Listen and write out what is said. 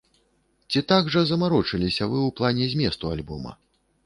Ці так жа замарочыліся вы ў плане зместу альбома?